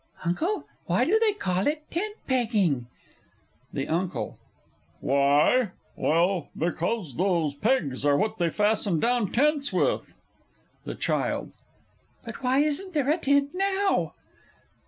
Uncle, why do they call it tent pegging? THE UNCLE. Why? Well, because those pegs are what they fasten down tents with. THE CHILD. But why isn't there a tent now?